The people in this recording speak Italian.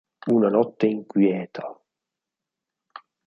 Una notte inquieta.